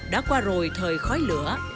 đã qua rồi thời khói lửa